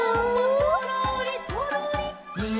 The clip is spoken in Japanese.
「そろーりそろり」